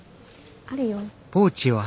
あるよ。